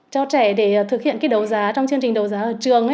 cho trẻ để thực hiện cái đầu giá trong chương trình đầu giá ở trường